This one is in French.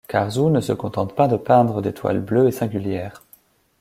Carzou ne se contente pas de peindre des toiles bleues et singulières.